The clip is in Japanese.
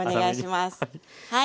はい。